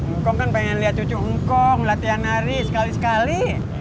hongkong kan pengen lihat cucu hongkong latihan nari sekali sekali